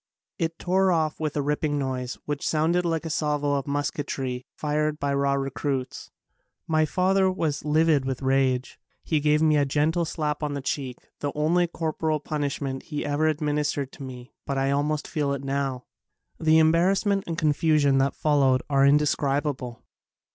It tore off with a ripping noise which sounded like a salvo of musketry fired by raw recruits. My father was livid with rage. He gave me a gentle slap on the cheek, the only cor poral punishment he ever administered to me but I almost feel it now. The embar rassment and confusion that followed are indescribable.